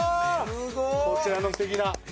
こちらのすてきな。